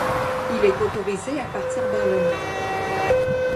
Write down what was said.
Il est autorisé à partir vers le Nord.